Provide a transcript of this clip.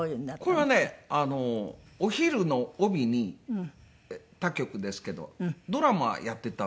これはねお昼の帯に他局ですけどドラマやってたんですよ。